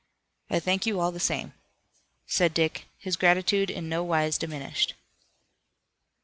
"I thank you, all the same," said Dick, his gratitude in nowise diminished.